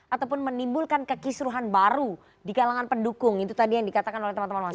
ataupun menimbulkan kekisruhan baru di kalangan pendukung itu tadi yang dikatakan oleh teman teman mahasiswa